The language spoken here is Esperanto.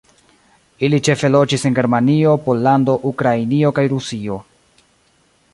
Ili ĉefe loĝis en Germanio, Pollando, Ukrainio kaj Rusio.